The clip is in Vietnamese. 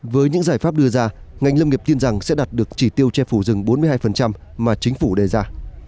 với những giải pháp đưa ra ngành lâm nghiệp tin rằng sẽ đạt được chỉ tiêu che phủ rừng bốn mươi hai mà chính phủ đề ra